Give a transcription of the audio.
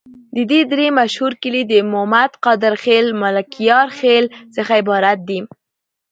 د دي درې مشهور کلي د مومد، قادر خیل، ملکیار خیل څخه عبارت دي.